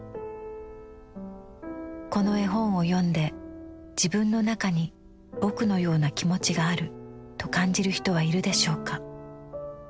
「この絵本を読んで自分のなかに『ぼく』のような気持ちがあるとかんじる人はいるでしょうか。